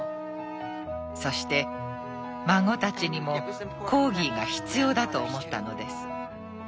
そして孫たちにもコーギーが必要だと思ったのです。